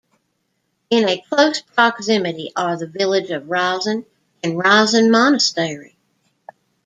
In a close proximity are the village of Rozhen and Rozhen Monastery.